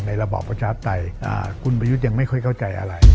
ระบอบประชาปไตยคุณประยุทธ์ยังไม่ค่อยเข้าใจอะไร